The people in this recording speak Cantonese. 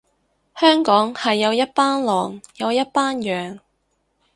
香港係有一班狼，有一班羊